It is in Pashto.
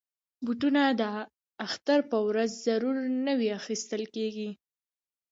بوټونه د اختر په ورځ ضرور نوي اخیستل کېږي.